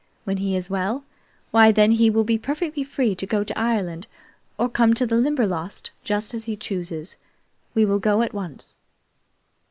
When he is well, why, then he will be perfectly free to go to Ireland or come to the Limberlost, just as he chooses. We will go at once."